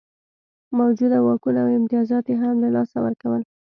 موجوده واکونه او امتیازات یې هم له لاسه ورکول.